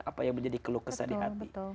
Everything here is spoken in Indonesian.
apa yang menjadi keluh kesah di hati